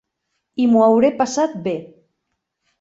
I m'ho hauré passat bé.